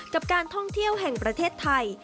กับการท่องเที่ยวแห่งประเทศไทย